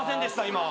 今。